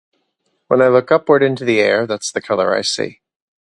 When I look upward into the air, that's the colour I see.